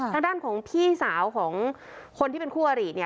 ทางด้านของพี่สาวของคนที่เป็นคู่อริเนี่ย